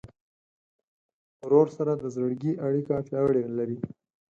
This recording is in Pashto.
ورور سره د زړګي اړیکه پیاوړې لرې.